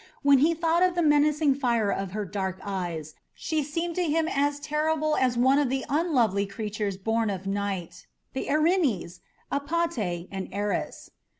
When he thought of the menacing fire of her dark eyes, she seemed to him as terrible as one of the unlovely creatures born of Night, the Erinyes, Apate, and Eris.